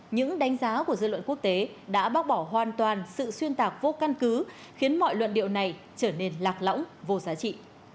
những đánh giá của dư luận quốc tế đã bác bỏ hoàn toàn sự xuyên tạc vô căn cứ khiến mọi luận điệu này trở nên lạc lõng vô giá trị